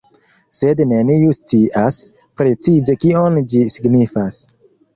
Sed neniu scias, precize kion ĝi signifas.